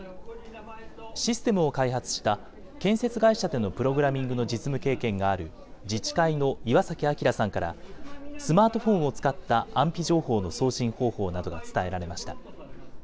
システムを開発した建設会社でのプログラミングの実務経験がある自治会の岩崎明さんから、スマートフォンを使った安否情報の送信方法などが伝えられました。